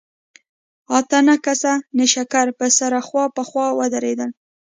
اته نه کسه نېشګر به سره خوا په خوا ودرېدل.